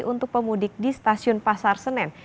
untuk pemudik di stasiun pasar senen